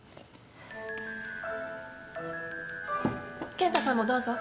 健太さんもどうぞ。